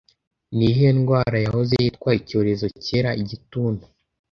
Ni iyihe ndwara yahoze yitwa icyorezo cyera Igituntu